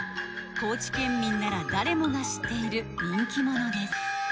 高知県民なら誰もが知っている人気者です